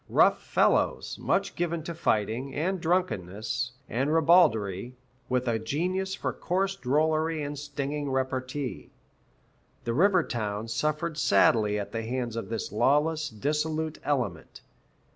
Rough fellows, much given to fighting, and drunkenness, and ribaldry, with a genius for coarse drollery and stinging repartee. The river towns suffered sadly at the hands of this lawless, dissolute element.